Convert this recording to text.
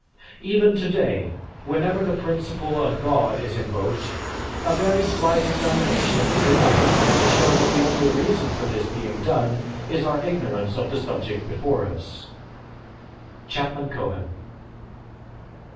Even to day, whenever the principle of God is invoked, a very slight examination is enough to show that the only reason for this being done is our ignorance of the subject before us." (_Chapman Cohen.